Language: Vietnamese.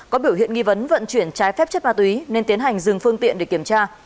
có biểu hiện nghi vấn vận chuyển trái phép chất ma túy nên tiến hành dừng phương tiện để kiểm tra